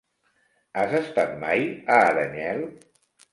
Has estat mai a Aranyel?